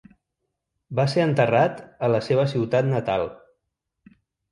Va ser enterrat a la seva ciutat natal.